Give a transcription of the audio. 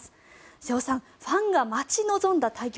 瀬尾さんファンが待ち望んだ対局